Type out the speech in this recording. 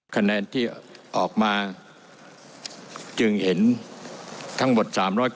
คะแนนที่ออกมาจึงเห็นทั้งหมด๓๙